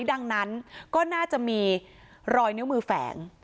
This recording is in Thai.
ดังนั้นก็น่าจะมีรอยนิ้วมือแฝง